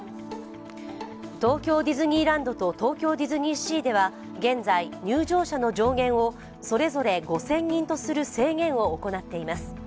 東京ディズニーランドと東京ディズニーシーでは現在、入場者の上限をそれぞれ５０００人とする制限を行っています。